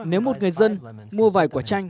nếu một người dân mua vài quả chanh